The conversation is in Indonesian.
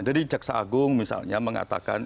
jadi jaksa agung misalnya mengatakan